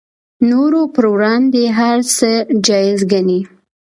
نورو پر وړاندې هر څه جایز ګڼي